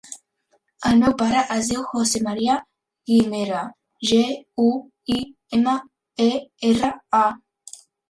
El meu pare es diu José maria Guimera: ge, u, i, ema, e, erra, a.